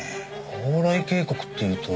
蓬莱渓谷っていうと。